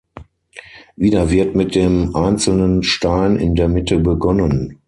Wieder wird mit dem einzelnen Stein in der Mitte begonnen.